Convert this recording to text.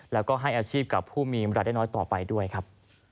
แล้วก็ให้อาชีพกับผู้มีเวลาได้น้อยต่อไปด้วยครับ